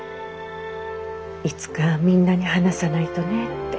いつかみんなに話さないとねって。